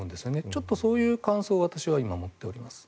ちょっとそういう感想を私は今、持っております。